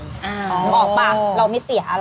นึกออกป่ะเราไม่เสียอะไร